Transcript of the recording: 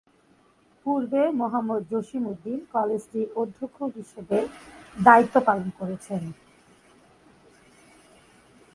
পূর্বে মোহাম্মদ জসিম উদ্দিন কলেজটির অধ্যক্ষ হিসেবে দায়িত্ব পালন করেছেন।